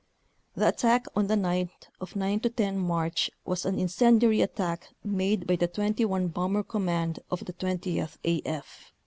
The attack on the night of 9 10 March was an incendiary attack made by the XXI Bomber Command of the Twentieth AF.